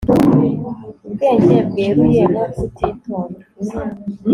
Ubwenge bweruye no kutitonda